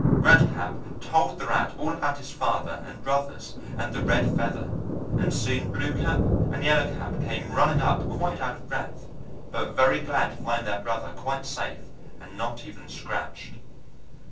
Red Cap told the rat all about his father and brothers and the Red Feather, and soon Blue Cap and Yellow Cap came running up, quite out of breath, but very glad to find their brother quite safe and not even scratched.